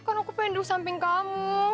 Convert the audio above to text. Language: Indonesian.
kan aku penduh samping kamu